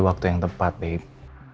waktu yang tepat babe